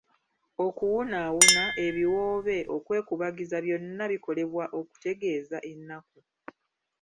Okuwuunawuuna, ebiwoobe, okwekubagiza byonna bikolebwa okutegeeza ennaku.